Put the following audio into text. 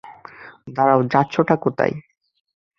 দাঁড়াও, যাচ্ছোটা কোথায়?